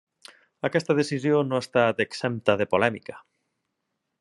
Aquesta decisió no ha estat exempta de polèmica.